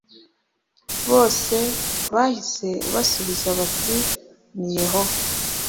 Bose bahise basubiza bati ni yehova